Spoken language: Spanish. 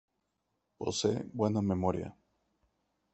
Posee buena memoria.